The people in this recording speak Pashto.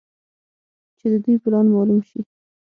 چې د دوى پلان مالوم سي.